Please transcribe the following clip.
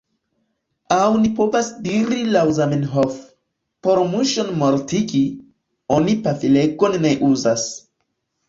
Aŭ ni povas diri laŭ Zamenhof: por muŝon mortigi, oni pafilegon ne uzas.